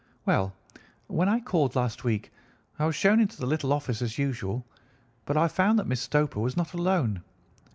"Well, when I called last week I was shown into the little office as usual, but I found that Miss Stoper was not alone.